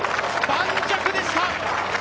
盤石でした！